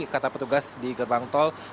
kata petugas di gerbang tol